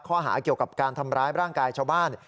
ข้อหาเกี่ยวกับการทำร้ายร่างกายชาวบ้าน